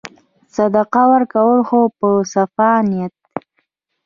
صدقه ورکړه خو په صفا نیت.